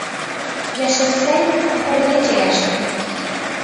• Yashirsang, oxirigacha yashir.